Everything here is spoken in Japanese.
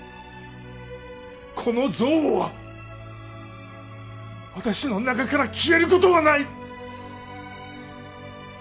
この憎悪は私の中から消えることはない！